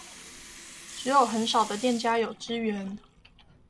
只有很少的店家有支援